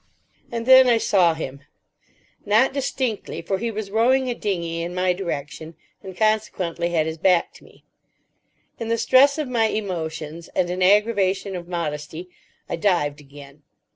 And then I saw Him. Not distinctly, for he was rowing a dinghy in my direction, and consequently had his back to me. In the stress of my emotions and an aggravation of modesty, I dived again.